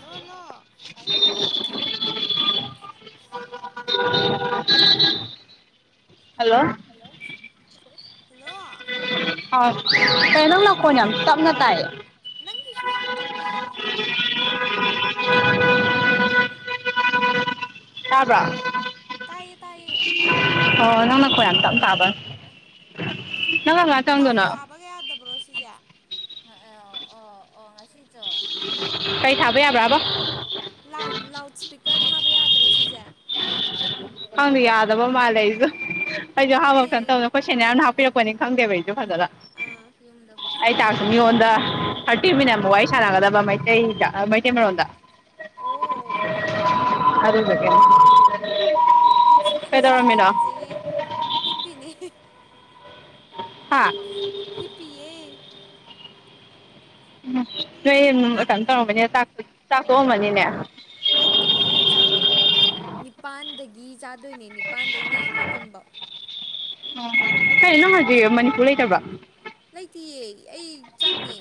hello hello hello ꯑ ꯇꯥꯔꯦ ꯇꯥꯔꯦ ꯅꯪꯒꯤꯁꯨ ꯌꯥꯝ ꯇꯞꯄꯤ ꯀꯥꯔꯕ ꯇꯥꯏꯌꯦ ꯇꯥꯏꯌꯦ ꯍꯣꯏ ꯅꯅ ꯀ ꯌꯥꯝ ꯀ ꯀ ꯑꯕ ꯂꯥꯎ ꯊꯥꯕꯒ ꯌꯥꯗꯕ꯭ꯔꯣ ꯁꯤꯁꯦ ꯑ ꯑꯣ ꯑꯣ ꯉꯁꯤꯁꯨ ꯀꯩ ꯊꯥꯕ ꯌꯥꯕ꯭ꯔꯥꯕꯣ ꯂꯥꯎ ꯂꯎ ꯁ꯭ꯄꯤꯀꯔ ꯊꯥꯕ ꯌꯥꯗ꯭ꯔꯣ ꯁꯤꯁꯦ ꯈꯪꯗ ꯌꯥꯗꯕ ꯃꯥꯜꯂꯦ ꯑꯩꯁꯨ ꯑꯩꯁꯨ ꯍꯥꯞꯄ ꯑꯅꯦ ꯀ ꯇꯧꯅ ꯑꯩꯈꯣꯏ ꯁꯦꯅꯤꯌꯥꯔꯅ ꯍꯥꯞꯄꯤꯔꯛꯄꯅꯤ ꯈꯪꯗꯦꯕ ꯑꯩꯁꯨ ꯐꯖꯅ ꯑꯥ ꯑꯩ ꯆꯥꯛꯁꯨ ꯃꯤꯉꯣꯟꯗ ꯊꯥꯔꯇꯤ ꯃꯤꯅꯠ ꯑꯃ ꯋꯥꯔꯤ ꯁꯥꯟꯅꯒꯗꯕ ꯃꯩ ꯀꯩ ꯏꯗ ꯃꯩꯇꯩ ꯃꯣꯟꯗ ꯑꯣ ꯑꯗꯨꯗꯦ ꯎ ꯁꯥꯟꯗ ꯁꯥꯟꯅꯔꯁꯦꯍꯦ ꯍꯤꯞꯄꯤꯅꯦ ꯍꯥ ꯑꯃ ꯍꯤ ꯄꯑꯦ ꯎꯝ ꯅ ꯇꯥꯛ ꯀ ꯇꯣꯕ ꯇꯥꯛ ꯆꯥꯛꯊꯣꯛꯑꯝꯃꯅꯤꯅꯦ ꯇꯣꯛꯇ꯭ꯔꯤꯍꯦ ꯆꯥꯛ ꯀꯨꯝ ꯅꯤꯄꯥꯟꯗꯒꯤ ꯆꯖꯥ ꯑꯗꯨꯏꯅꯦ ꯅꯤꯄꯥꯥꯟꯗꯩꯅ ꯃꯥꯄꯟꯐꯧ ꯑꯣ ꯀꯩꯅꯣ ꯍꯧꯖꯤꯛ ꯃꯅꯤꯄꯨꯔ ꯂꯩꯇꯕ ꯇꯤꯑ ꯑꯩ ꯆꯪꯉꯦ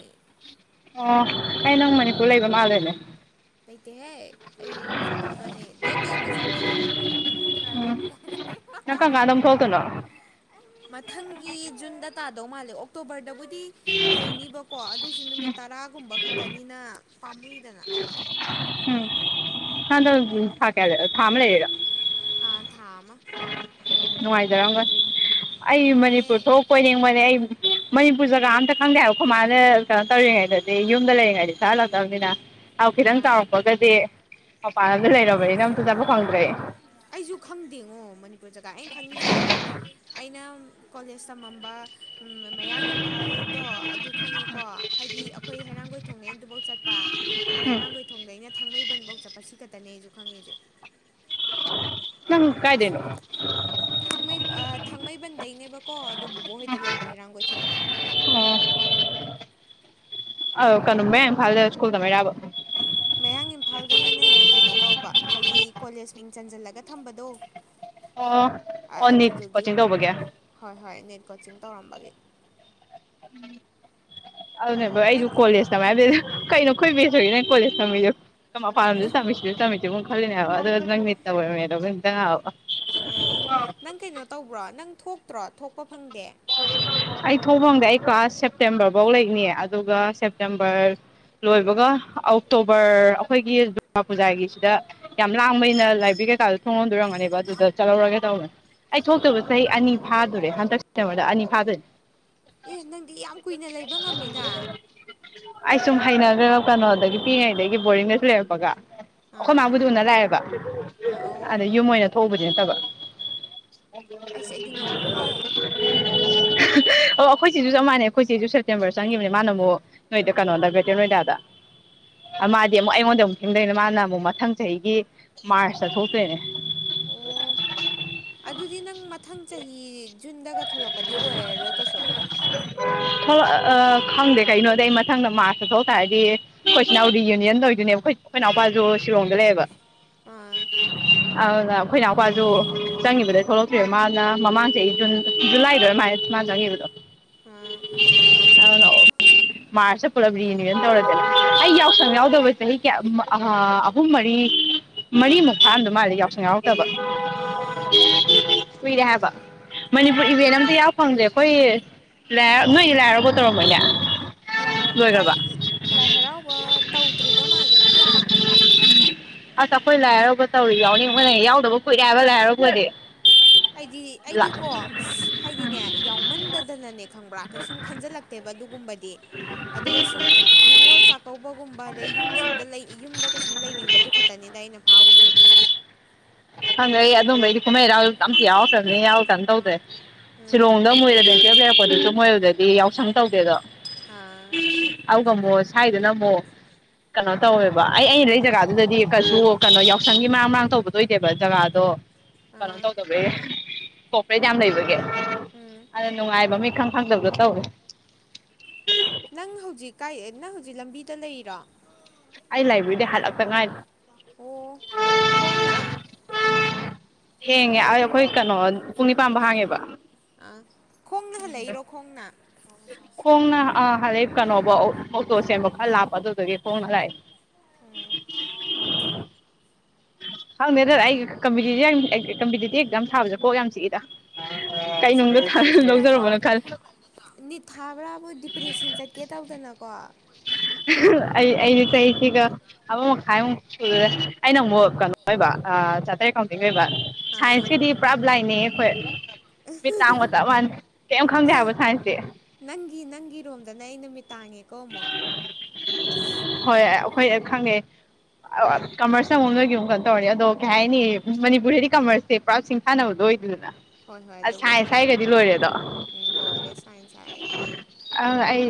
ꯑꯣ ꯑꯩ ꯅꯪ ꯃꯅꯤꯄꯨꯔ ꯂꯩꯕ ꯃꯥꯜꯂꯦꯅꯦ ꯂꯩꯇꯦꯍꯦ ꯑꯩ ꯆꯪꯉꯕꯅꯦ ꯗꯦ ꯇꯦꯟꯗ ꯆꯪꯉꯛꯦ ꯑꯩ ꯏꯟꯗꯤꯔꯥ ꯎꯝ ꯒꯥꯟꯙꯤ ꯅꯪ ꯍꯥꯏ ꯀꯔꯝ ꯀꯥꯟꯗ ꯑꯃꯨꯛ ꯊꯣꯛꯂꯛꯇꯣꯏꯅꯣ ꯃꯊꯪ ꯨꯟꯗ ꯇꯥꯗꯧ ꯃꯥꯜꯂꯦ ꯑꯣꯛꯇꯣꯕꯔꯗ ꯕꯨꯗꯤ ꯂꯩꯅꯤꯕꯀꯣ ꯑꯗꯨꯑꯣꯁꯨ ꯅꯨ ꯇꯔꯥꯒ ꯈ ꯇꯅꯤꯅ ꯄꯥꯝꯃꯨꯏꯗꯅ ꯎꯝ ꯅꯗ ꯁꯥꯀꯦꯗꯦ ꯊꯂꯦ ꯌꯦꯔ ꯑꯥ ꯊꯥꯃ ꯅꯨꯡꯉꯥꯏꯖꯔꯕ ꯑꯩ ꯅꯨꯡꯉꯥꯏꯍꯦ ꯃꯅꯤꯄꯨꯔ ꯊꯣꯛꯄ ꯅ ꯃꯣꯟꯅꯦ ꯑꯩ ꯃꯅꯤꯄꯨꯔ ꯖꯒꯥ ꯑꯝꯇ ꯈꯪꯗꯦ ꯍꯥꯏꯕꯀꯣ ꯃꯥꯅ ꯀꯩꯅꯣ ꯇꯧꯔꯤꯉꯩꯗꯗꯤ ꯌꯨꯝꯗ ꯂꯩꯔꯤꯉꯩꯗꯤ ꯆꯠꯂꯛꯇꯕꯅꯤꯅ ꯑꯥꯎ ꯈꯤꯇꯪ ꯑꯥ ꯆꯥꯎꯔꯛꯄꯒꯗꯤ ꯃꯄꯥꯥꯟ ꯑꯗꯨ ꯂꯩꯔꯔꯕꯕ ꯅꯝ ꯇ ꯆꯄꯛ ꯈꯪꯗ꯭ꯔꯦ ꯑꯩꯁꯨ ꯈꯪꯗꯦꯉꯣꯅꯤꯨꯔ ꯑꯩꯣꯏ ꯖꯒꯥ ꯑꯩꯅ ꯈꯪꯉꯤꯁꯦ ꯑꯩꯅ ꯀꯣꯂꯦꯖ ꯇꯝꯃꯝꯕ ꯎꯝ ꯃꯌꯥꯡ ꯏꯝꯐꯥꯜꯗꯣ ꯑꯗꯨ ꯈꯪꯉꯦꯀꯣ ꯍꯥꯏꯗꯤ ꯑꯩꯈꯣꯏ ꯍꯩꯔꯥꯡꯒꯣꯏ ꯊꯣꯡꯉꯩ ꯑꯗꯨꯕ ꯠꯄ ꯑꯗ ꯎꯝ ꯍꯩꯔꯥꯡꯒꯣꯏ ꯊꯣꯡꯗꯩꯅ ꯊꯥꯡꯃꯩꯕꯟꯐꯧ ꯆꯠꯄ ꯁꯤ ꯈꯛꯇꯅꯦꯁꯨ ꯈꯪꯉꯦꯁꯦ ꯅꯪ ꯀꯥꯏꯗꯩꯅꯣ ꯊꯥꯡꯃꯩ ꯊꯥꯡꯃꯩꯕꯟꯗꯩꯅꯦꯕꯀꯣ ꯑꯗꯨꯣ ꯕꯣꯕꯣ ꯍꯣꯏꯗ ꯂꯩꯕ ꯍꯩꯔꯥꯡ ꯀꯣꯏꯊꯣꯡꯗ ꯑ ꯀꯩꯅꯃꯦ ꯐꯜꯗꯦꯕ ꯁ꯭ꯀꯨꯜꯗ ꯃ ꯌꯥꯕ ꯃꯌꯥꯡ ꯏꯝꯐꯥꯜꯗꯅꯅꯦ ꯀꯩꯅꯣ ꯇꯧꯕ ꯍꯥꯏꯗꯤ ꯀꯣꯂꯦꯖ ꯃꯤꯡ ꯆꯟꯁꯤꯜꯂꯒ ꯊꯝꯕꯗꯣ ꯑꯣ ꯑꯣ ꯅꯤꯠ ꯑꯗꯨꯗꯨꯒꯤ ꯀꯣꯆꯤꯡ ꯇꯧꯕꯒꯤ ꯍꯣꯏ ꯍꯣꯏ ꯅꯦꯠ ꯀꯣꯆꯤꯡ ꯇꯧꯔꯝꯕꯒꯤ ꯎꯝ ꯑꯗꯨꯅꯦꯕ ꯅꯪ ꯑꯩꯁꯨ ꯀꯣꯂꯦꯖꯇꯃ ꯍꯥꯏ ꯀꯩ ꯅ ꯀꯣꯏ ꯦꯖꯒ ꯅ ꯀꯣꯂꯤꯖ ꯊꯖꯧ ꯄꯥ ꯁꯃꯤꯦ ꯁꯃ ꯕꯨ ꯈꯜꯂꯤꯅꯦ ꯍꯥꯏꯕ ꯑꯗꯨꯒ ꯅꯪ ꯃꯤꯠꯇꯕ ꯃꯗꯣꯪ ꯑ ꯅꯪ ꯀꯩꯅꯣ ꯇꯧꯕ꯭ꯔꯣ ꯅꯪ ꯊꯣꯛꯇ꯭ꯔꯣ ꯊꯣꯛꯄ ꯐꯪꯗꯦ ꯑꯩ ꯊꯣꯡꯐꯝꯗ ꯑꯩ ꯀ꯭ꯂꯥꯁ ꯁꯦꯞꯇꯦꯝꯕꯔ ꯐꯧ ꯂꯩꯅꯦ ꯑꯗꯨꯒ ꯁꯦꯞꯇꯦꯝꯕꯔ ꯂꯣꯏꯕꯒ ꯑꯣꯛꯇꯣꯕꯔ ꯑꯩꯈꯣꯏꯒꯤ ꯗꯨꯔꯒꯥ ꯄꯨꯖꯥꯒꯤꯁꯤꯗ ꯌꯥꯝ ꯂꯥꯡꯕꯩꯅ ꯂꯥꯏꯕ꯭ꯔꯦꯔꯤ ꯀꯩꯀꯥꯗ ꯊꯣꯡꯍꯣꯟꯗꯣꯏꯔꯝꯒꯅꯦꯕ ꯑꯗꯨꯗ ꯆꯠꯍꯧꯔꯒꯦ ꯇꯧꯕꯅꯦ ꯑꯩ ꯊꯣꯛꯇꯣꯏꯕ ꯆꯍꯤ ꯑꯅꯤ ꯐꯥꯗꯣꯔꯦ ꯍꯟꯗꯛ ꯆꯃꯗ ꯑꯅꯤ ꯐꯥꯗꯅꯤ ꯑꯦ ꯅꯪꯗꯤ ꯌꯥꯝ ꯀꯨꯏꯅ ꯂꯩꯕ ꯉꯝꯃꯤꯅ ꯍꯩꯅꯈ꯭ꯔ ꯀꯩꯅꯣ ꯑꯗꯒꯤ ꯄꯤꯛꯉꯩꯗꯒꯤ ꯕꯣꯔꯔꯤꯡꯗꯁꯨ ꯂꯩꯔꯛꯄꯒ ꯑꯩꯈꯣꯏ ꯑꯥ ꯃꯥꯕꯨꯗꯨꯅ ꯂꯥꯛꯑꯦꯕ ꯑꯥ ꯑꯣ ꯑꯗ ꯌꯨꯝ ꯑꯣꯏꯅ ꯊꯣꯛꯕ ꯌꯦ ꯇꯕ ꯑꯩꯁꯨ ꯑꯩꯗꯤ ꯉꯝꯃꯣꯏꯍꯦ ꯑꯣ ꯑꯩꯈꯣꯏ ꯁꯤꯁꯨ ꯆ ꯃꯥꯟꯩ ꯑꯩꯈꯣꯏ ꯁꯤꯁꯨ ꯁꯦꯞꯇꯦꯝꯕꯔ ꯆꯪꯈꯤꯕꯅꯦ ꯃꯥꯅ ꯑꯃꯨꯛ ꯅꯣꯏꯗ ꯀꯩꯅꯣꯗ ꯒ꯭ꯔꯦꯇꯔ ꯅꯣꯏꯗꯥꯗ ꯃꯥꯗꯤ ꯑꯃꯨꯛ ꯑꯩꯉꯣꯟꯗ ꯑꯃꯨꯛ ꯊꯪꯗꯣꯏꯅꯦ ꯃꯥꯅ ꯑꯃꯨꯛ ꯃꯊꯪ ꯆꯍꯤꯒꯤ ꯃꯥꯔꯁꯇ ꯊꯣꯛꯇꯣꯏꯅꯦ ꯑꯣ ꯑꯗꯨꯗꯤ ꯅꯪ ꯃꯊꯪ ꯆꯍꯤ ꯖꯨꯟꯗꯒ ꯊꯣꯛꯂꯛꯄꯗꯤ ꯑꯣꯏꯔꯔꯣꯏ ꯀꯩꯁꯨ ꯑ ꯈꯪꯗꯦ ꯀꯩꯅꯣꯗꯤ ꯑꯩ ꯃꯊꯪꯗ ꯃꯥꯔꯁꯇ ꯊꯣꯛꯇꯥꯔꯗꯤ ꯑꯩꯈꯆꯤꯜ ꯏꯅꯥꯎ ꯔꯤ ꯌꯨꯅꯤꯌꯟ ꯇꯧꯗꯨꯣꯏꯅꯦꯕ ꯑꯩꯈꯣꯏ ꯑꯩꯈꯣꯏ ꯏꯅꯥꯎꯄꯥꯁꯨ ꯁꯤꯂꯣꯡꯗ ꯂꯩꯌꯦꯕ ꯍꯥꯎꯗ ꯑꯩꯈꯣꯏꯅꯅꯥꯎꯄꯥꯁꯨ ꯆꯪꯉꯤꯕꯗꯩ ꯊꯣꯛꯂꯛꯇꯕ ꯃꯥꯅ ꯃꯃꯥꯡꯁꯦ ꯑꯩ ꯖꯨꯟ ꯖꯨꯂꯥꯏꯗ ꯑꯗꯨꯃꯥꯏꯅ ꯁꯨ ꯃꯥꯥꯟꯅ ꯆꯪꯈꯤꯕꯗꯣ ꯑꯥ ꯑꯗꯨꯅ ꯃꯥꯔꯁꯇ ꯄꯨꯂꯞ ꯔꯤꯅꯨꯁꯟ ꯇꯧꯔꯗꯤꯦꯅ ꯑꯩ ꯌꯥꯎꯁꯪ ꯌꯥꯎꯗꯕ ꯆꯍꯤ ꯀꯌꯥ ꯑꯍꯨꯝ ꯃꯔꯤ ꯃꯔꯤꯃꯨꯛ ꯐꯥꯔꯝꯗ ꯃꯥꯜꯂ ꯌꯥꯎꯁꯪ ꯌꯥꯎꯗꯕ ꯑꯥ ꯀꯨꯏꯔꯦ ꯍꯥꯏꯕ ꯃꯅꯤꯄꯨꯔ ꯏꯚꯦꯟ ꯑꯝꯇ ꯌꯥꯎ ꯐꯪꯗꯦ ꯑꯩꯈꯣꯏ ꯅꯣꯏꯗꯤ ꯂꯥꯏꯔꯒꯣ ꯇꯧꯔꯝꯃꯅꯦ ꯂꯥꯏ ꯍꯔꯥꯎꯕ ꯇꯧꯗ꯭ꯔꯤꯕ ꯃꯥꯜꯂꯦ ꯍꯧꯖꯤꯛ ꯑꯁ ꯑꯩꯈꯣꯏ ꯂꯥꯏ ꯍꯔꯥꯎꯕ ꯇꯧꯔꯤ ꯌꯥꯎꯅꯤꯡ ꯃꯣꯏꯅ ꯌꯥꯎꯗꯕ ꯀꯨꯏꯔꯦ ꯍꯥꯏꯕ ꯂꯥꯏ ꯍꯔꯥꯎꯕꯗꯤ ꯑꯩꯗꯤ ꯑꯩꯗꯤꯀꯣ ꯍꯥꯏꯗꯤꯅꯦ ꯌꯥꯎꯃꯟꯗꯗꯅꯅꯦ ꯈꯪꯕ꯭ꯔꯥ ꯀꯩꯁꯨꯝ ꯈꯟꯖꯤꯜꯂꯛꯇꯦꯕ ꯑꯗꯨꯒꯨꯝꯕ ꯑꯗꯨꯒ ꯁꯨꯝ ꯅꯤꯉꯣꯜ ꯆꯥꯛꯀꯧꯕ ꯒꯨꯝꯕ ꯑꯗꯩ ꯌꯨꯝ ꯁꯨꯝꯗ ꯌꯨꯝꯗꯒ ꯁꯨꯝ ꯂꯩꯅꯤꯡꯕꯗꯨ ꯈꯛꯇꯅꯤꯗ ꯑꯩꯅ ꯐꯥꯎꯋ ꯆꯟ ꯍꯪ ꯑꯩ ꯑꯗꯨꯨꯝꯝꯕꯕꯗꯤ ꯀꯃꯩꯔꯥꯎꯜ ꯇꯝꯛ ꯌꯥꯎ ꯇꯗꯅꯤꯅꯦ ꯌꯥꯎ ꯇꯥꯟ ꯇꯧꯗ꯭ꯔꯦ ꯆꯔꯣꯡꯗ ꯃꯣꯏꯔ ꯂꯩꯀ ꯄ ꯂꯥꯛꯄꯗꯨꯁꯨꯨꯝ ꯃꯣꯏ ꯑꯗꯨꯗꯗꯤ ꯌꯥꯎꯁꯪ ꯇꯧꯗꯦꯗꯣ ꯑꯥ ꯑꯗꯨꯒ ꯑꯃꯨꯛ ꯁ꯭ꯋꯥꯏꯗꯨꯅ ꯑꯃꯨꯛ ꯀꯩꯅꯣ ꯇꯧꯋꯦꯕ ꯑꯩ ꯑꯩꯅ ꯂꯩ ꯖꯒꯥꯗꯨꯗꯗꯤ ꯀꯩꯁꯨ ꯀꯩꯅꯣ ꯌꯥꯎꯁꯪꯒꯤ ꯃꯔꯥꯡ ꯃꯔꯥꯡ ꯇꯧꯕ ꯑꯗꯨꯣꯏꯗꯦꯕ ꯖꯒꯥꯗꯣ ꯀꯩꯅꯣ ꯑꯥ ꯇꯧꯗꯕꯒꯤ ꯀꯣꯄ꯭ꯔꯦꯠ ꯌꯥꯝ ꯂꯩꯕꯒꯤꯦ ꯎꯝ ꯑꯗ ꯅꯨꯡꯉꯥꯏꯕ ꯃꯤ ꯈꯪ ꯈꯪꯗꯕꯗꯣ ꯇꯧꯋꯦ ꯅꯪ ꯍꯧꯖꯤꯛ ꯀꯥꯏ ꯅꯪ ꯍꯧꯖꯤꯛ ꯂꯝꯕꯤꯗ ꯂꯩꯔꯤꯔꯣ ꯑꯩ ꯂꯥꯏꯕꯨ ꯏꯗꯦ ꯍꯜꯂꯄꯪ ꯉꯥꯏ ꯑꯣ ꯈꯣꯡꯅ ꯍꯦꯉ ꯑ ꯀꯣꯏ ꯀꯅꯣ ꯑ ꯈꯣꯡꯅ ꯍꯜꯂꯛꯏꯔꯣ ꯈꯣꯡꯅ ꯈꯣꯡꯅ ꯍꯞ ꯀꯩꯅꯣꯕ ꯑꯣꯇꯣ ꯁꯦꯝꯕ ꯈꯔ ꯂꯥꯞꯄ ꯑꯗꯨꯗꯒꯤ ꯈꯣꯡꯅ ꯂꯥꯛꯑꯦ ꯎꯝ ꯍꯪꯗꯦꯗ ꯑꯩ ꯀꯝꯄꯤꯇꯤꯇꯤ ꯀꯝꯄꯤꯇꯤꯇꯤ ꯑꯦꯛꯝ ꯁꯥꯥꯕꯁꯦ ꯀꯣꯛ ꯌꯥꯝ ꯆꯤꯛꯏꯔ ꯆꯤꯛꯄꯅꯦ ꯆꯤꯞꯄꯅꯦ ꯈꯜ ꯊꯥꯕ꯭ꯔꯥꯕꯨ ꯗꯤꯄ꯭ꯔꯦꯁꯟ ꯆꯠꯀꯦ ꯇꯧꯗꯅꯀꯣ ꯑꯩ ꯑꯩꯗꯤ ꯆꯍꯤꯁꯤꯒ ꯑꯃ ꯃꯈꯥꯏꯃꯨꯛ ꯁꯜꯦ ꯑꯩꯅ ꯑꯃꯨꯛ ꯀꯩꯅꯣ ꯑꯣꯏꯕ ꯆꯥꯇꯔ ꯑꯦ ꯀꯥꯎꯟꯇꯤꯡ ꯑꯣꯏꯕ ꯁꯥꯏꯟꯁꯀꯤꯦꯗꯤ ꯄ꯭ꯔꯥꯕ ꯂꯥꯏꯅꯦ ꯍꯣꯏ ꯈꯪꯗꯦ ꯑ ꯍꯥꯏꯕ ꯁꯥꯏꯟꯁꯇꯤ ꯅꯪꯒꯤ ꯅꯪꯒꯤꯔꯣꯝꯗꯅ ꯑꯩ ꯅꯨꯃꯤꯠ ꯇꯥꯡꯉꯦ ꯀꯃꯁ ꯑꯩꯈꯣꯏꯅ ꯈꯪꯉꯦ ꯀꯃꯔꯁꯅꯪꯉꯨ ꯅꯣꯏꯒꯤ ꯑꯃꯨꯛ ꯀꯩꯅꯣ ꯇꯧꯔꯅꯤ ꯑꯗꯣ ꯀꯩ ꯍꯥꯏꯅꯤ ꯃꯅꯤꯄꯨꯔꯔꯤꯗꯤ ꯀꯃꯔꯁꯁꯦ ꯄꯨꯔꯥ ꯁꯤꯡ ꯁꯥꯟꯅꯕꯗꯣ ꯑꯣꯏꯗꯗꯅ ꯍꯣꯏ ꯍꯣꯏ ꯑꯁ ꯑꯗꯨꯕꯨꯗꯤ ꯁꯥꯏꯁ ꯍꯥꯏꯒꯗꯤ ꯂꯣꯏꯔꯦꯗꯣ ꯎꯝ ꯂꯣꯏꯔꯦ ꯁꯥꯏꯟꯁ ꯍꯥꯏꯔꯦ ꯑ ꯑꯩ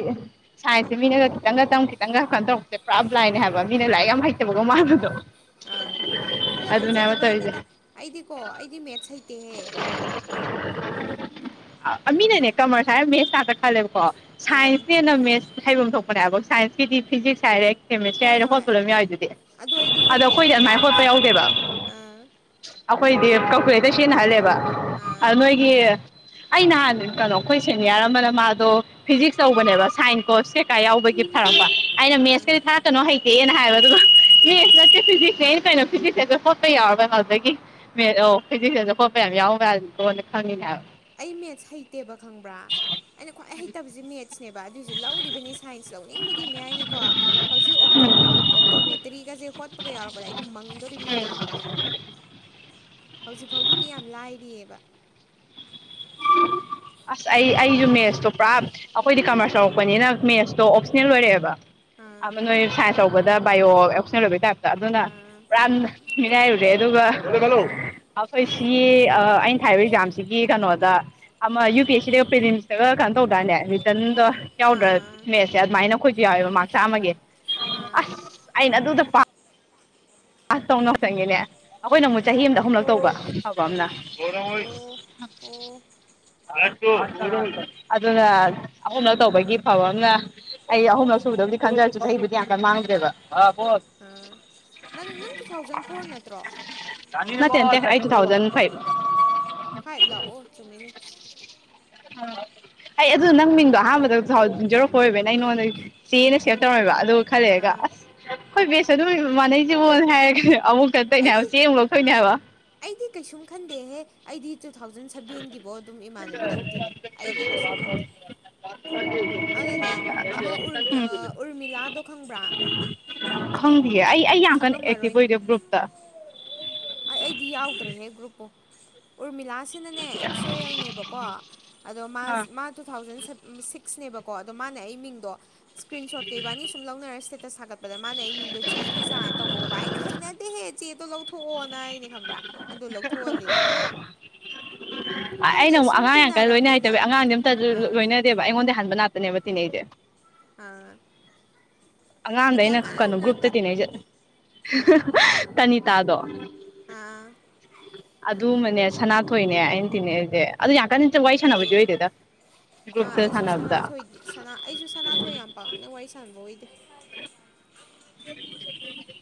ꯁꯥꯏꯟꯁꯁꯦ ꯃꯤꯅꯒ ꯈꯤꯇꯪꯒ ꯇꯝ ꯈꯤꯇꯪꯒ ꯀꯩꯅꯣ ꯇꯧꯔꯛꯁꯦ ꯄꯨꯔꯥꯕ ꯂꯥꯏꯅꯦ ꯍꯥꯏꯕ ꯃꯤꯅ ꯂꯥꯏꯔꯤꯛ ꯌꯥꯝ ꯍꯩꯇꯕꯀꯣ ꯃꯥꯟꯕꯗꯣ ꯑꯥ ꯑꯣ ꯑꯗꯨꯅꯦ ꯍꯥꯏꯕ ꯇꯧꯔꯤꯁꯦ ꯍꯩꯖꯗꯕꯩꯅꯤꯗ ꯑꯩꯗꯤꯀꯣ ꯑꯩꯗꯤ ꯃꯦꯠꯁ ꯍꯩꯇꯦꯍꯦ ꯑ ꯃꯤꯅꯅꯦ ꯀꯃꯔꯁ ꯍꯥꯏꯔ ꯃꯦꯁꯇ ꯉꯥꯛꯇ ꯈꯜꯂꯦ ꯑꯣ ꯑꯥ ꯁꯥꯏꯟꯁꯅ ꯍꯦꯟꯅ ꯃꯦꯠ ꯍꯩꯐꯝ ꯊꯣꯛꯄꯅꯦꯕ ꯁꯥꯏꯟꯁꯀꯤꯗꯤ ꯐꯤꯖꯤꯛꯁ ꯍꯥꯏꯔꯦ ꯀꯦꯃꯤꯁꯇ꯭ꯔꯤ ꯍꯣꯏ ꯍꯥꯏꯗ ꯍꯣꯏ ꯍꯣꯠꯄ ꯑꯗꯨꯝ ꯌꯥꯎꯏ ꯑꯗꯨꯗꯤ ꯑꯩꯗꯤ ꯑꯗꯣ ꯍꯩꯇꯦꯕ ꯑꯩꯈꯣꯏꯗꯤ ꯑꯗꯨꯃꯥꯏꯅ ꯍꯣꯠꯄ ꯌꯥꯎꯗꯦꯕ ꯑꯥ ꯍꯈꯣꯏꯗꯤ ꯀꯥꯜꯀꯨꯂꯦꯇꯔ ꯁꯤꯖꯤꯟꯅꯍꯜꯂꯦꯕ ꯑꯥ ꯑꯗꯨꯅꯒꯤ ꯑꯩ ꯅꯍꯥꯟ ꯀꯩꯅꯣ ꯑꯩꯈꯣꯏ ꯁꯦꯅꯤꯌꯔ ꯑꯃꯅ ꯃꯥꯗꯣ ꯐꯤꯖꯤꯛꯁ ꯇꯧꯕꯅꯦꯕ ꯁꯥꯏꯟꯁ ꯀꯣ ꯁꯦꯀꯥ ꯌꯥꯎꯕꯒꯤ ꯊꯥꯔꯛꯄ ꯑꯩꯅ ꯑꯥ ꯃꯦꯁ ꯀꯔꯤ ꯊꯥꯔꯛꯀꯅꯣ ꯍ ꯍꯦꯅ ꯍꯥꯏꯕ ꯑꯗꯨꯒ ꯃꯦꯠꯁ ꯅꯠꯇꯦ ꯐꯤꯖꯤꯛꯁ ꯑꯩꯅ ꯀꯩꯅꯣ ꯐꯤꯖꯤꯛꯁꯦꯗ ꯈꯣꯠꯄ ꯌꯥꯎꯔꯣꯏ ꯀꯩꯅꯣ ꯑꯗꯨꯗꯒꯤ ꯃꯦꯠꯁ ꯑꯣ ꯐꯤꯖꯤꯛꯁꯦꯁꯨ ꯈꯣꯠꯄ ꯌꯥꯝ ꯌꯥꯎꯕ꯭ꯔꯅ ꯀꯣꯟꯅ ꯈꯪꯉꯤꯅꯦ ꯍꯥꯏꯕ ꯑꯩ ꯃꯦꯠꯁ ꯍꯩꯇꯦꯕ ꯈꯪꯕ꯭ꯔꯥ ꯑꯩꯅ ꯈ꯭ꯋꯥꯏ ꯍꯩꯇꯕꯕꯁꯦ ꯃꯦꯠꯁꯅꯦꯕ ꯑꯗꯨꯏꯁꯨ ꯂꯧꯔꯤꯕꯅꯤ ꯁꯥꯏꯟꯁ ꯂꯧꯅꯤꯡꯕꯒꯤ ꯃꯌꯥꯏꯅꯀꯣ ꯍꯧꯖꯤꯛ ꯑꯣꯞꯇꯣꯃꯦꯇꯔꯤꯒꯁꯦ ꯍꯣꯠꯄꯒ ꯌꯥꯎꯔꯛꯄꯗ ꯑꯩ ꯑꯗꯨꯝ ꯃꯪꯗꯣꯔꯤꯕꯅꯤꯗꯣ ꯍꯧꯖꯤꯛ ꯐꯥꯎꯒꯤꯗꯤ ꯌꯥꯝ ꯂꯥꯏꯔꯤꯑꯕ ꯑꯁ ꯑꯩ ꯑꯩꯁꯨ ꯃꯦꯠꯁꯇꯣ ꯄꯨꯔꯥ ꯑꯩꯈꯣꯏꯗꯤ ꯀꯃꯔꯁ ꯂꯧꯔꯛꯄꯅꯤꯅ ꯃꯦꯠꯁꯇꯣ ꯑꯣꯞꯁꯅꯦꯜ ꯑꯣꯏꯔꯛꯑꯦꯕ ꯑꯥ ꯑ ꯅꯣꯏ ꯁꯥꯥꯟꯏꯁ ꯇꯧꯕ ꯗꯥ ꯕꯥꯑꯣ ꯑꯣꯞꯁꯅꯦꯜ ꯑꯣꯏꯕꯩ ꯇꯥꯏꯞ ꯑꯗꯨꯅ ꯑꯥ ꯄꯨꯔꯥꯥꯟ ꯃꯤꯅꯥꯏꯔꯨꯔꯦ ꯑꯗꯨꯒ ꯑꯩꯈꯣꯏ ꯁꯤꯒꯤ ꯑꯩꯅ ꯊꯥꯏꯔꯤꯕ ꯑꯦꯛꯖꯥꯝꯁꯤꯒꯤ ꯀꯩꯅꯣꯗ ꯑꯃ ꯌꯨ ꯄꯤ ꯑꯦꯁ ꯁꯤꯗꯒ ꯄꯦꯂꯤꯝꯁꯇꯒ ꯀꯩꯅꯣ ꯇꯧꯗꯅꯦ ꯔꯤꯇꯔꯟꯗꯣ ꯌꯥꯎꯗ꯭ꯔꯥ ꯑꯥ ꯃꯦꯠꯁꯦ ꯑꯗꯨꯃꯥꯏꯅ ꯑꯩꯈꯣꯏꯁꯨ ꯌꯥꯎꯋꯦꯕ ꯃꯥꯔꯛ ꯆꯥꯝꯃꯒꯤ ꯑꯥ ꯑꯁ ꯑꯩꯅ ꯑꯗꯨꯗ ꯄꯥꯝ ꯑꯁ ꯇꯧꯎ ꯆꯪꯉꯦꯅꯦ ꯑꯩꯈꯣꯏꯅ ꯑꯃꯨꯛ ꯆꯍꯤ ꯑꯃꯗ ꯑꯍꯨꯝꯂꯛ ꯇꯧꯕ ꯑꯥ ꯐꯐꯕ ꯑꯃꯅ ꯑꯣ ꯑꯣ ꯑꯗꯨꯅ ꯑꯍꯨꯝꯂꯛ ꯇꯧꯕꯒꯤ ꯐꯕ ꯑꯃꯅ ꯑꯩ ꯑꯍꯨꯝꯂꯛ ꯁꯨꯕꯗꯕꯨꯗꯤ ꯈꯟꯖꯔꯁꯨ ꯆꯍꯤꯕꯨꯗꯤ ꯌꯥꯝ ꯀꯟ ꯃꯥꯡꯗ꯭ꯔꯦꯕ ꯑꯥꯕꯣ ꯑꯥ ꯅꯪ ꯅꯪ ꯇꯨ ꯊꯥꯎꯖꯟ ꯐꯣꯔ ꯅꯠꯇ꯭ꯔꯣ ꯃ ꯇꯨ ꯊꯧꯖꯟ ꯐꯥꯏꯕ ꯐꯥꯏꯕ ꯂꯥꯛꯑꯣ ꯆꯃꯤꯅꯤ ꯑꯩ ꯑꯗꯨꯣ ꯅꯪ ꯃꯤꯡꯗꯣ ꯑꯍꯥꯟꯕꯗꯁꯨꯥꯎꯟꯖꯧꯔꯛꯄ ꯑꯣꯏꯕ ꯅꯪ ꯑꯩ ꯅꯉꯣꯟꯗ ꯆꯦꯅ ꯁꯦꯞ ꯇꯧꯔꯝꯃꯦꯕ ꯑꯗꯨꯒ ꯈꯜꯂꯦꯑꯒ ꯑꯥ ꯑꯁ ꯍꯣꯏ ꯕꯦꯁ ꯑꯗꯨꯝ ꯏꯃꯥꯟꯅꯩꯁꯤꯕꯅ ꯍꯥꯏꯔꯒ ꯑꯃꯨꯛꯛꯇ ꯑꯩꯗꯤ ꯇꯩꯅꯅꯦꯕ ꯆꯦ ꯑꯃꯨꯛ ꯂꯧꯊꯣꯏꯅꯦ ꯍꯥꯏꯕ ꯑꯩꯗꯤ ꯀꯩꯁꯨꯝ ꯈꯟꯗꯦꯍꯦ ꯑꯩꯗꯤ ꯇꯨ ꯊꯥꯎꯖꯟ ꯁꯕꯦꯟꯒꯤꯕꯣ ꯑꯗꯨꯝ ꯏꯃꯥꯟꯅꯕꯤꯗꯧꯗꯤꯤꯅꯦ ꯑꯩꯗꯤ ꯀꯩꯁꯨꯝ ꯈꯟꯗꯦ ꯑꯗꯨꯅꯅꯦ ꯑꯃ ꯎꯝ ꯎꯔꯃꯤꯂꯥꯗꯣ ꯈꯪꯕ꯭ꯔꯥ ꯍ ꯈꯪꯉꯝꯃꯔꯣꯏꯅꯦ ꯑꯩ ꯑꯩꯗꯤ ꯌꯥꯎꯗ꯭ꯔꯦꯍꯦ ꯒ꯭ꯔꯨꯞꯄꯨ ꯎꯔꯃꯤꯂꯥꯥꯁ ꯑꯁꯤꯅꯅꯦ ꯑꯦꯛꯁꯣ ꯑꯦꯜꯅꯦꯕꯀꯣ ꯑꯗꯣ ꯃꯥ ꯃꯥ ꯇꯨ ꯊꯥꯎꯖꯟ ꯁꯤꯛꯁꯅꯦꯕꯀꯣ ꯀꯣ ꯑꯗꯣ ꯃꯥꯅꯦ ꯑꯩ ꯃꯤꯡꯗꯣ ꯏꯁꯀ꯭ꯔꯤꯟ ꯁꯣꯠ ꯀꯩꯕꯥꯅꯤ ꯁꯨꯝ ꯂꯧꯅꯔꯁꯤ ꯁꯒ ꯄ꯭ꯔ ꯃꯥ ꯑꯩ ꯃꯤꯒꯣ ꯆ ꯖꯥꯅ ꯇꯧꯕꯧꯕ ꯑꯩꯅ ꯍꯩꯅꯗꯦꯍꯦ ꯆꯦꯗꯣ ꯂꯧꯊꯣꯛꯑꯣꯅ ꯍꯥꯏꯅꯦ ꯈꯪꯕ꯭ꯔꯥ ꯑꯗꯨ ꯂꯧꯊꯣꯛꯍꯜꯂꯤꯅꯦ ꯑ ꯑꯩꯅ ꯈꯪꯗꯦ ꯁꯨꯝ ꯑꯃꯨꯛꯉꯥꯡꯥꯛꯀ ꯂꯣꯏꯅꯩ ꯍꯥꯏꯇꯦ ꯇꯤꯟꯅꯔꯕꯅꯤꯅ ꯑꯉꯥꯡꯗꯤ ꯑꯝꯇꯁꯨ ꯑꯥ ꯂꯣꯏꯅꯗꯦꯕ ꯑꯩꯉꯣꯟꯗ ꯍꯟꯥꯟꯕ ꯅꯥꯠꯇ ꯕ ꯅꯦ [unintelligible] ꯑ ꯑꯉꯥꯡꯝꯗ ꯑꯩꯅ ꯀꯩꯅꯣ ꯒ꯭ꯔꯨꯞꯇ ꯇꯤꯟꯅꯩꯁꯠ ꯇꯅꯤ ꯇꯥꯗꯣ ꯑꯥ ꯑꯗꯨꯨꯃꯅꯦ ꯁꯅꯥꯊꯣꯏꯅꯦ ꯑꯩꯅ ꯊꯤꯅꯦꯁꯦ ꯑꯗꯨ ꯌꯥꯝ ꯀꯟꯅ ꯋꯥꯔꯤꯏ ꯁꯥꯟꯅꯕꯗꯤ ꯑꯣꯏꯗꯣꯏꯗ ꯑꯩꯁꯨ ꯁꯅꯥꯣꯏ ꯑꯩꯁꯨ ꯁꯅꯥꯊꯣꯏ ꯌꯥꯝ ꯄꯥꯝꯅ ꯋꯥꯔꯤ ꯁꯅꯕ ꯑꯣꯏꯗ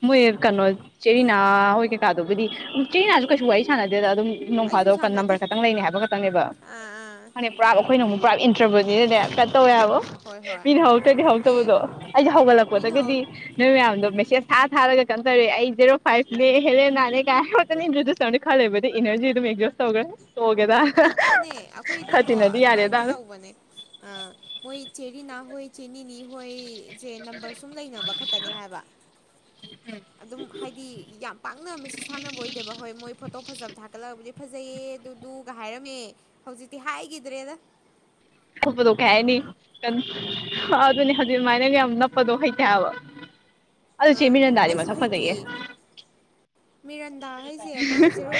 ꯃꯣꯏ ꯀꯩꯅꯣ ꯆꯦꯔꯤꯅꯥ ꯍꯣꯏ ꯀꯩꯀꯥꯗꯨꯕꯨꯗꯤꯝ ꯆꯦꯔꯤꯅꯥꯁꯨ ꯀꯩꯁꯨ ꯋꯥꯔꯤ ꯁꯥꯟꯅꯗꯦꯗ ꯑꯗꯨꯝ ꯑꯩꯁꯨ ꯅꯣꯡꯐꯥꯗꯣꯛ ꯁꯥꯟꯅꯗꯦ ꯅꯝꯕꯔ ꯈꯛꯇꯪ ꯂꯩꯅꯤ ꯍꯥꯏꯕ ꯈꯛꯇꯪꯅꯦꯕ ꯑꯥ ꯑꯥ ꯐꯪ ꯄꯨꯔꯥ ꯑꯩꯈꯣꯏꯅ ꯑꯃꯨꯛ ꯄꯨꯔꯥ ꯭ꯔꯕꯅꯤ ꯇꯧꯋꯦꯕꯣ ꯍꯣꯏ ꯍꯣꯏ ꯃꯤꯅ ꯍꯧꯔꯛꯇ꯭ꯔꯒꯦ ꯑꯦ ꯍꯧꯔꯛꯇꯕꯗꯣ ꯑꯩꯁꯦ ꯃꯤꯅ ꯍꯧ ꯍꯧꯒꯠꯂꯛꯄꯗꯗꯒꯤꯗꯤ ꯑꯗꯣ ꯃꯦꯁꯦꯁ ꯊꯥ ꯊꯥꯔꯒ ꯀꯩꯅꯣ ꯇꯧꯔꯦ ꯑꯩ ꯖꯦꯔꯣ ꯐꯥꯏꯚꯅꯦ ꯍꯦꯜꯂꯦ ꯅꯥꯅꯦ ꯀꯥꯏꯛꯇꯅ ꯏꯟ꯭ꯔꯣꯗ꯭ꯌꯨꯁ ꯇꯧꯔ ꯈꯂꯕꯗꯤ ꯏꯅꯔꯖꯤ ꯑꯗꯨꯝ ꯑꯦꯖꯣꯔꯁ ꯇꯧꯔꯒ ꯁꯒꯦꯗ ꯑꯗꯨꯅꯦ ꯑꯩꯈꯣꯏꯗꯤꯀꯣ ꯑꯗꯨꯃꯥꯏꯅ ꯑꯗꯨꯝ ꯇꯧꯕꯅꯦ ꯑ ꯃꯣꯏ ꯆꯦ ꯔꯤ ꯍ ꯆꯅꯤꯅꯤ ꯍꯣꯏ ꯁꯦ ꯅꯝꯕꯔ ꯁꯨꯝ ꯂꯩꯅꯕ ꯈꯛꯇꯅꯦ ꯍꯥꯏꯕ ꯑꯗꯨꯝ ꯍꯥꯏꯗꯤ ꯌꯥꯝ ꯄꯥꯛꯅ ꯃꯦꯁꯦꯁ ꯊꯥꯅꯕ ꯑꯣꯏꯗꯦꯕ ꯍꯣꯏ ꯃꯣꯏ ꯐꯣꯇꯣ ꯐꯖꯕ ꯊꯥꯒꯠꯂꯕꯗꯤ ꯐꯖꯩꯌꯦ ꯑꯗꯨꯗꯨ ꯍꯥꯏꯔꯝꯃꯦ ꯍꯧꯖꯤꯛꯇꯤ ꯍꯥꯏꯈꯤꯗ꯭ꯔꯦꯗ ꯅꯞꯄꯗꯣ ꯀꯩ ꯍꯥꯏꯅꯤ ꯑꯗꯨꯅꯤ ꯍꯧꯖꯤꯛꯃꯥꯏꯅ ꯌꯥꯝ ꯅꯞꯄꯗꯣ ꯍꯩꯇꯕ ꯑ ꯑꯩꯁꯨ ꯍꯩꯇꯦꯌꯦ ꯃꯤꯔꯟꯗꯥ ꯍꯥꯏꯁꯦ ꯑꯃ ꯖꯦꯔꯣ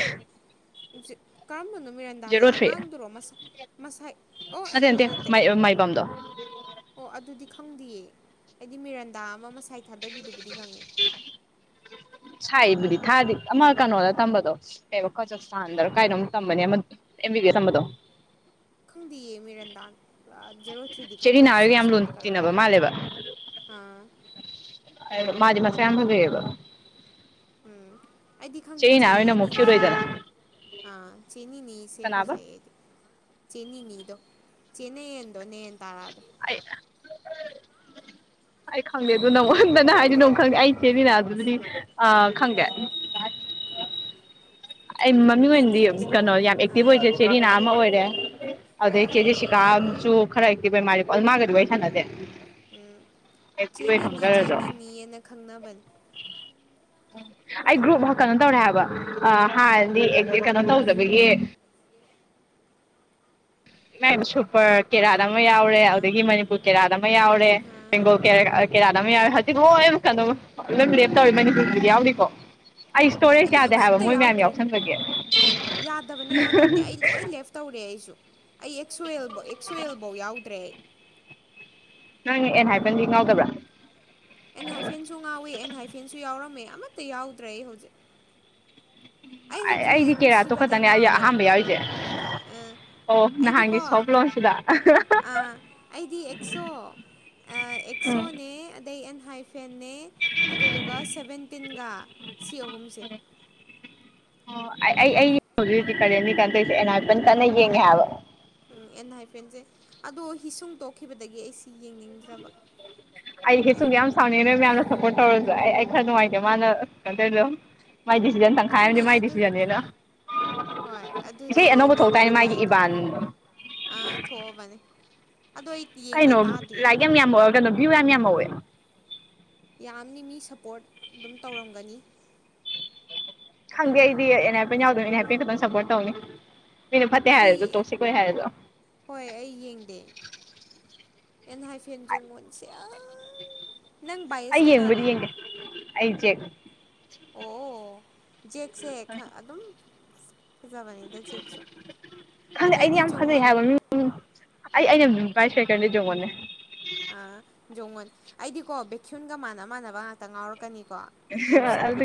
ꯀꯃ ꯃꯤꯔꯟꯗꯥꯁꯦ ꯖꯦꯔꯣ ꯊ꯭ꯔꯤ ꯑꯉꯥꯡꯗꯨꯔꯣꯁ ꯃꯁꯥꯏ ꯑꯣ ꯑꯗꯨꯗꯤ ꯅꯠꯇꯦ ꯑꯣ ꯑꯗꯨꯗꯤ ꯈꯪꯗꯦꯌꯦ ꯑꯩꯗꯤ ꯃꯤꯦꯔꯟꯗꯥ ꯑꯃ ꯃ ꯄꯥꯏ ꯊꯥꯗꯕꯤꯗꯨꯕꯨꯗꯤ ꯈꯪꯉꯦ ꯁꯥꯏꯕꯨꯗꯤ ꯊꯥꯗꯤ ꯑꯃ ꯀꯩꯅꯣꯅ ꯇꯝꯕꯗꯣ ꯑꯦꯕ ꯀꯣꯏꯆ ꯁꯟꯗꯔ ꯀꯥꯏꯅꯣ ꯇꯝꯕꯅꯦ ꯑꯦꯝ ꯕꯤ ꯇꯝꯕꯗꯣ ꯈꯪꯗꯌꯦ ꯃꯤꯔꯟꯗꯥꯔꯣ ꯊꯔꯤꯗꯤ ꯈꯪꯗ ꯆꯦꯔꯤꯅꯥ ꯍꯣꯏꯒ ꯌꯥꯝ ꯁꯤꯁ ꯂꯨꯅ ꯐꯨꯗꯤ ꯈꯪ ꯇꯤꯟꯅꯕ ꯃꯥꯜꯂꯦꯕ ꯍꯥꯥ ꯃꯥꯗꯤ ꯃꯁꯛ ꯌꯥꯝ ꯐꯖꯩꯕꯥ ꯎꯝ ꯑꯩꯗꯤ ꯈꯪꯗꯦ ꯑꯃꯨꯛ ꯀ꯭ꯌꯨꯠ ꯆꯦꯅꯤꯅꯤ ꯑꯣꯏꯗꯅ ꯑꯥ ꯆꯦꯅꯤꯅꯤꯁꯦ ꯀꯅꯥꯕ ꯐꯖꯩꯌꯦ ꯑꯩꯗꯤ ꯆꯅꯤꯅꯤꯗꯨꯣ ꯆꯦꯅꯤ ꯌꯦꯟꯗꯣꯅꯦꯟ ꯇꯥꯔ ꯑ ꯑꯩ ꯈꯪꯗꯦ ꯑꯗꯨꯗꯣ ꯈꯪ ꯅꯉꯣꯟꯗꯅ ꯍꯥꯏꯗꯤ ꯅ ꯈꯪꯗ꯭ꯔꯣ ꯈꯪꯗꯦ ꯑꯩ ꯆꯦꯠꯃꯤꯅ ꯑꯗꯨꯗꯤ ꯎ ꯑ ꯈꯪꯦ ꯑꯥ ꯑꯩ ꯃꯃꯤꯡ ꯅꯤꯅꯤ ꯑꯣꯏꯅꯗꯤ ꯀꯩꯅꯣ ꯌꯥꯝ ꯑꯦꯛꯇꯤꯚ ꯑꯥ ꯑꯣꯏꯖꯦ ꯆꯦꯔꯤꯅꯥ ꯑꯃ ꯑꯣꯏꯔꯦ ꯎꯝ ꯑꯗꯦ ꯑꯥ ꯀꯦꯖꯤꯦꯁꯤ ꯀ ꯑꯝꯆꯨ ꯈꯔ ꯍꯦꯛꯇꯤ ꯕꯦꯃꯥ ꯑꯜꯃꯥꯒꯗꯤ ꯋꯥꯔꯤ ꯁꯥꯟꯅꯁꯦ ꯎꯝ ꯆꯦꯅꯤꯅꯤ ꯆꯦꯅꯤꯅꯤꯑꯅ ꯈꯪꯅꯕꯅꯤ ꯑꯩ ꯒ꯭ꯔꯨꯞ ꯀꯩꯅꯣ ꯇꯧꯔꯦ ꯍꯥꯏꯕ ꯍꯥꯟꯅꯗꯤ ꯀꯩꯅꯣ ꯇꯧꯖꯕꯒꯤ ꯃ ꯁꯨꯄꯔ ꯀꯦꯔꯥ ꯑꯃ ꯌꯥꯎꯔꯦ ꯑꯥ ꯑꯗꯨꯗꯒꯤ ꯃꯅꯤꯄꯨꯔ ꯀꯦꯔꯥꯗ ꯑꯃ ꯌꯥꯎꯔꯦ ꯑꯥ ꯕꯦꯡꯒꯣꯜ ꯀꯦꯔꯥꯗ ꯑꯃ ꯌꯥꯎꯔꯦ ꯑꯥ ꯍꯧꯖꯤꯛ ꯂꯣꯏꯨꯛ ꯀꯗ ꯅ ꯂꯩꯦꯞ ꯇꯕꯦ ꯃꯅꯤꯁꯤꯗꯤ ꯌꯥꯎꯂꯤꯀꯣ ꯑꯩ ꯏꯁꯇꯣꯔꯦꯖ ꯑꯩꯗꯤ ꯌꯥꯗꯦ ꯍꯥꯏꯕ ꯑꯃꯠꯇ ꯃꯣꯏ ꯃꯌꯥꯝ ꯌꯥꯎꯗ꯭ꯔꯦ ꯌꯥꯎꯁꯟꯖꯒꯦ ꯌꯥꯗꯕꯅꯦ ꯌꯥꯗꯕꯅꯦ ꯑꯦꯛꯁꯋꯦꯜ ꯑꯦꯛꯁꯋꯦꯜꯐꯧ ꯌꯥꯎꯗ꯭ꯔꯦ ꯅꯪꯅ ꯑꯦꯟ ꯍꯥꯏꯕꯟꯗꯤ ꯉꯥꯎꯗꯕ꯭ꯔꯥ ꯑꯦꯟ ꯍꯥꯏꯐꯦꯟꯁꯨ ꯉꯥꯎꯋꯦ ꯑꯦꯟ ꯍꯥꯏꯐꯦꯟꯁꯨ ꯌꯥꯎꯔꯝꯃꯦ ꯃ ꯌꯥꯎꯗ꯭ꯔ ꯑꯩ ꯍꯧꯖꯤꯛ ꯑꯩ ꯍꯧꯖꯤꯛ ꯑꯩꯗꯤ ꯀꯦꯔꯥꯇꯣ ꯅꯨꯡꯁꯤꯕꯗ ꯈꯛꯇꯅꯦ ꯑꯩ ꯉꯥꯎꯔꯦ ꯑꯍꯥꯟꯕ ꯌꯥꯎꯔꯤꯁꯦ ꯑ ꯑꯣ ꯑꯩꯗꯤꯀꯣ ꯅꯍꯥꯟꯒꯤ ꯁꯣꯐ ꯂꯣꯟꯁꯤꯗ ꯑꯥ ꯑꯩꯗꯤ ꯑꯦꯛꯁꯣ ꯎꯝ ꯑꯦꯛꯁꯣꯅꯦ ꯑꯗꯩ ꯍꯥꯏꯐꯦꯦ ꯑꯗꯨꯗꯨꯒ ꯁꯕꯦꯟꯇꯤꯟꯒ ꯁꯤ ꯑꯍꯨꯝꯁꯦ ꯑꯣ ꯑꯩ ꯍꯧꯖꯤꯛ ꯍꯧꯖꯤꯛ ꯀꯔꯦꯟꯅꯤ ꯀꯥꯟꯗꯔꯤꯁꯦ ꯑꯦꯅꯥꯄꯟ ꯀꯟꯅ ꯌꯦꯡꯉꯦ ꯍꯥꯏꯕ ꯎꯝ ꯑꯦꯟ ꯍꯥꯏꯐꯦꯟꯁꯦ ꯑꯗꯣ ꯍꯤꯁꯨꯡ ꯇꯣꯛꯈꯤꯕꯗꯒꯤ ꯑꯩꯁꯤ ꯌꯦꯡꯅꯤꯡꯗ꯭ꯔꯕ ꯁꯥꯎꯅꯤ ꯅꯣꯏ ꯃꯌꯥꯝꯅ ꯁꯞꯄꯣꯔꯠ ꯇꯧꯔꯁꯨ ꯑꯩ ꯑꯩ ꯈꯔ ꯅꯨꯡꯉꯥꯏꯇꯦ ꯃꯥꯅ ꯀꯩꯅꯗꯧꯗ ꯑꯗꯨꯅꯦ ꯑꯗꯨ ꯍꯣꯏ ꯑꯗꯨꯗꯤ ꯏꯁꯩ ꯑꯅꯧꯕ ꯊꯣꯛꯇꯥꯏꯅꯦ ꯌꯦꯡꯅꯤꯡꯗ꯭ꯔꯕ ꯃꯥꯒꯤ ꯑꯩꯗꯣ ꯏꯕꯥꯟ ꯑꯥ ꯊꯣꯛꯑꯕꯅꯦ ꯑꯗꯣ ꯑꯩ ꯌꯦꯡꯗꯦ ꯀꯩꯅꯣ ꯇꯥꯗꯦ ꯂꯥꯏꯔꯤꯛ ꯌꯥꯝꯃꯛꯑꯒ ꯀꯩꯅꯣ ꯚꯌꯨ ꯌꯥꯝ ꯍꯋꯦꯅ ꯌꯥꯝꯅꯤ ꯃꯤ ꯁꯞꯄꯣꯔꯠ ꯑꯗꯨꯝ ꯇꯧꯔꯝꯒꯅꯤ ꯈꯪꯗꯦ ꯑꯩꯗꯤ ꯑꯦꯟ ꯍꯥꯏ ꯄꯦ ꯌꯥꯎꯗꯣꯏꯅꯤ ꯑꯟ ꯍꯥꯏ ꯄꯦ ꯈꯤꯇꯪ ꯁꯞꯄꯣꯔꯠ ꯇꯧꯅꯤ ꯃꯤꯅ ꯐꯠꯇꯦ ꯑꯩꯗꯤ ꯍꯥꯏꯔꯁꯨꯣ ꯇꯣꯛꯁꯤꯦ ꯀꯣꯏ ꯍꯥꯏꯔꯗꯣ ꯍꯣꯏ ꯑꯩ ꯌꯦꯡꯗꯦ ꯑꯦꯟ ꯍꯥꯏꯐꯦꯟꯁꯨꯣꯡꯉꯣꯟꯁꯦ ꯑꯩ ꯌꯦꯦꯡ ꯃꯔꯤ ꯀꯅꯥꯅꯣ ꯌꯦꯒ ꯑꯩꯗꯦꯒ ꯑꯣ ꯦꯛꯁꯦꯛ ꯑꯗꯨꯝ ꯐꯖꯕꯅꯤꯗ ꯆꯦꯛꯁꯨ ꯈꯪꯗꯦ ꯑꯩꯗꯤ ꯑꯗꯨꯏꯗꯤ ꯌꯥꯝ ꯐꯖꯩ ꯖꯣꯡꯎꯟ ꯍꯥꯏꯕ ꯃꯤ ꯑꯩ ꯑꯩꯅ ꯥꯏ ꯁꯦꯀꯔꯗ ꯌꯦꯡꯉꯣꯅꯦ ꯑ ꯖꯣꯡꯉꯣꯟ ꯑꯩꯗꯤꯀꯣ ꯕꯦꯛꯀꯤꯌꯟꯒ ꯃꯥꯟꯅ ꯃꯥꯟꯅꯕ ꯉꯥꯛꯇ ꯉꯥꯎꯔꯛꯀꯅꯤ ꯀꯣ ꯒ꯭ꯔꯨꯞꯁꯦ